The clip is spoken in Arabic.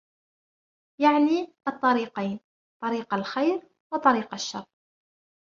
يَعْنِي الطَّرِيقَيْنِ طَرِيقَ الْخَيْرِ وَطَرِيقَ الشَّرِّ